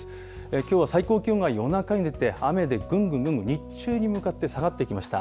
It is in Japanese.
きょうは最高気温が夜中に出て、雨でぐんぐんぐんぐん日中に向かって下がってきました。